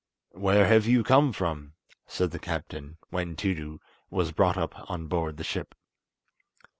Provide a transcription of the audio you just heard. "Where have you come from?" said the captain, when Tiidu was brought up on board the ship.